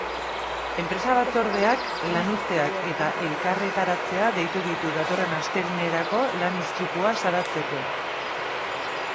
Enpresa-batzordeak lanuzteak eta elkarretaratzea deitu ditu datorren astelehenerako, lan-istripua salatzeko.